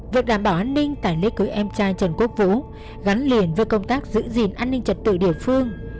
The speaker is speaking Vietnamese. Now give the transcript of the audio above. việc đảm bảo an ninh tại lễ cưới em trai trần quốc vũ gắn liền với công tác giữ gìn an ninh trật tự địa phương